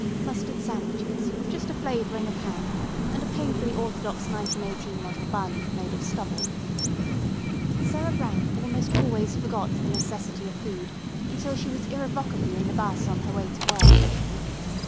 Mustard sandwiches with just a flavouring of ham, and a painfully orthodox 1918 model bun, made of stubble. Sarah Brown almost always forgot the necessity of food until she was irrevocably in the 'bus on her way to work.